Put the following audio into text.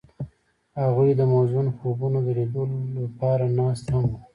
هغوی د موزون خوبونو د لیدلو لپاره ناست هم وو.